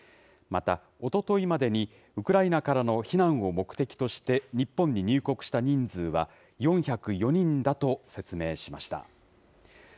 また、おとといまでにウクライナからの避難を目的として日本に入国した人数は、４０４人だと説明しました。